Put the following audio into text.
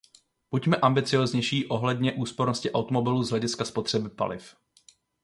Buďme ambicióznější ohledně úspornosti automobilů z hlediska spotřeby paliv.